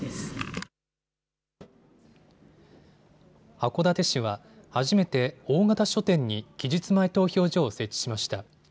函館市は初めて大型書店に期日前投票所を設置しました。